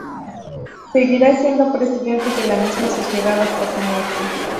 Seguirá siendo presidente de la misma sociedad hasta su muerte.